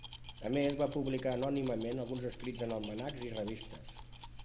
A més va publicar anònimament alguns escrits en almanacs i revistes.